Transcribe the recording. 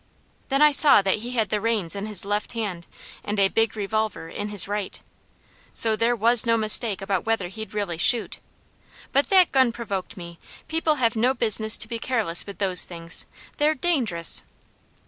Then I saw that he had the reins in his left hand, and a big revolver in his right. So there was no mistake about whether he'd really shoot. But that gun provoked me. People have no business to be careless with those things. They're dangerous!